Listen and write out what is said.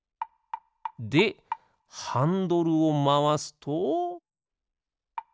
でハンドルをまわすと。